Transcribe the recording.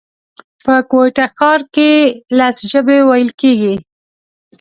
په کوټه ښار کښي لس ژبي ویل کېږي